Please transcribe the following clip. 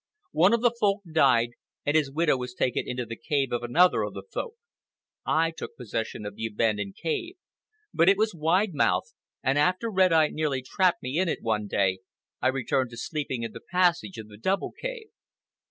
One of the Folk died, and his widow was taken into the cave of another one of the Folk. I took possession of the abandoned cave, but it was wide mouthed, and after Red Eye nearly trapped me in it one day, I returned to sleeping in the passage of the double cave.